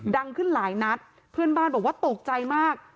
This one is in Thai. ดังขึ้นหลายนัดเพื่อนบ้านบอกว่าตกใจมาก